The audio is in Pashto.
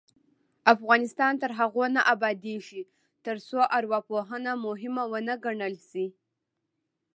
افغانستان تر هغو نه ابادیږي، ترڅو ارواپوهنه مهمه ونه ګڼل شي.